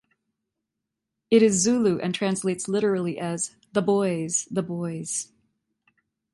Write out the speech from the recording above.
It is Zulu and translates literally as "the boys, the boys".